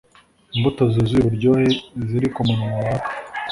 imbuto zuzuye uburyohe ziri kumunwa waka